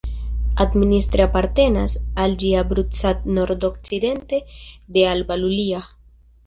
Administre apartenas al ĝi Abrud-Sat nordokcidente de Alba Iulia.